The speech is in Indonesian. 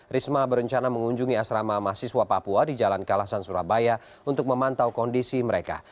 risma berencana mengunjungi asrama mahasiswa papua di jalan kalasan surabaya untuk memantau kondisi mereka